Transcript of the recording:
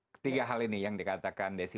ketiga hal ini yang dikatakan desi